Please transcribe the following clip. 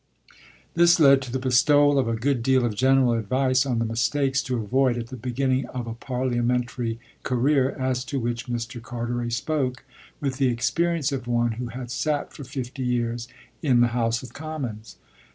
This led to the bestowal of a good deal of general advice on the mistakes to avoid at the beginning of a parliamentary career as to which Mr. Carteret spoke with the experience of one who had sat for fifty years in the House of Commons.